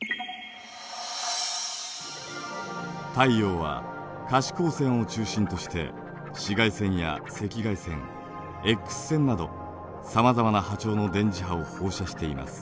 太陽は可視光線を中心として紫外線や赤外線エックス線などさまざまな波長の電磁波を放射しています。